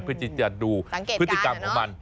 เพื่อที่จะดูพฤติกรรมของมัน